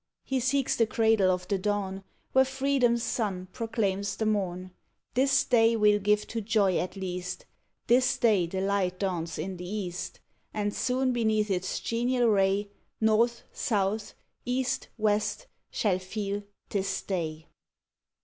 He seeks the cradle of the dawn, Where Freedom's sun proclaims the morn This day we'll give to joy at least; This day the light dawns in the East, And soon beneath its genial ray North, South, East, West, shall feel 'tis day.